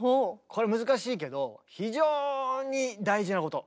これ難しいけど非常に大事なこと。